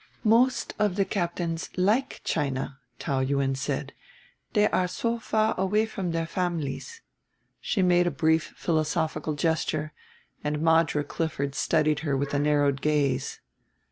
"Most of the captains like China," Taou Yuen said. "They are so far away from their families " she made a brief philosophical gesture, and Madra Clifford studied her with a narrowed gaze.